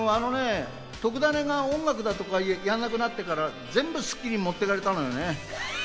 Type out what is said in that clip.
『とくダネ』が音楽とかやらなくなってから、全部『スッキリ』に持って行かれたよね。